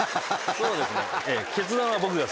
そうですね。